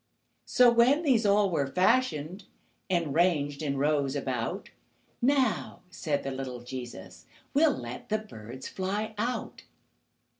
So, when these all were fashioned, And ranged in rows about, "Now," said the little Jesus, "We'll let the birds fly out."